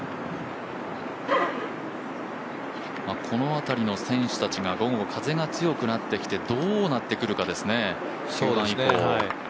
この辺りの選手たちがどうも風が強くなってきてどうなってくるかですね。